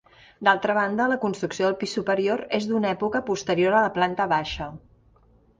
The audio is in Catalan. D'altra banda la construcció del pis superior és d'una època posterior a la planta baixa.